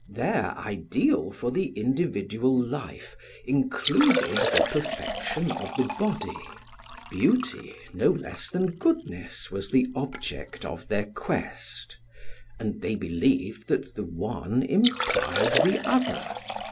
Their ideal for the individual life included the perfection of the body; beauty no less than goodness was the object of their quest, and they believed that the one implied the other.